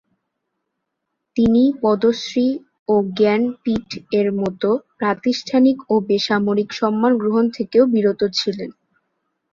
তিনি পদ্মশ্রী ও জ্ঞানপীঠ এর মতো প্রাতিষ্ঠানিক ও বেসামরিক সম্মান গ্রহণ থেকেও বিরত ছিলেন।